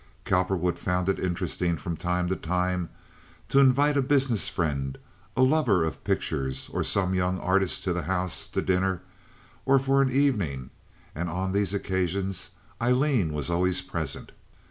Cowperwood found it interesting from time to time to invite a business friend, a lover of pictures, or some young artist to the house to dinner or for the evening, and on these occasions Aileen was always present.